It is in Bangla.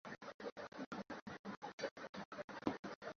মাঠ ও মাঠের বাইরে খেলোয়াড়দেরকে একত্রিত অবস্থায় রাখতেন।